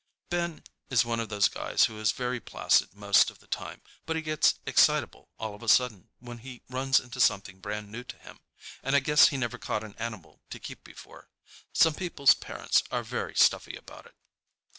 Ben is one of those guys who is very placid most of the time, but he gets excitable all of a sudden when he runs into something brand new to him, and I guess he never caught an animal to keep before. Some people's parents are very stuffy about it.